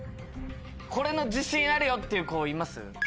これの自信あるよって子います？